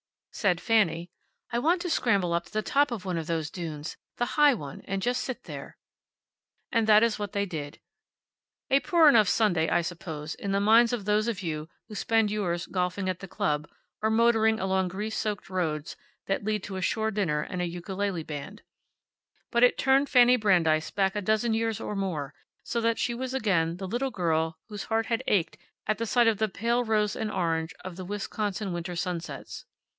Said Fanny, "I want to scramble up to the top of one of those dunes the high one and just sit there." And that is what they did. A poor enough Sunday, I suppose, in the minds of those of you who spend yours golfing at the club, or motoring along grease soaked roads that lead to a shore dinner and a ukulele band. But it turned Fanny Brandeis back a dozen years or more, so that she was again the little girl whose heart had ached at sight of the pale rose and, orange of the Wisconsin winter sunsets.